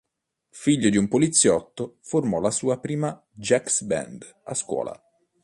Figlio di un poliziotto, formò la sua prima jazz band a scuola.